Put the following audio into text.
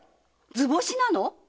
図星なの⁉